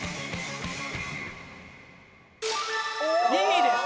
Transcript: ２位です。